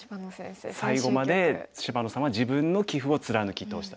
最後まで芝野さんは自分の棋風を貫き通した。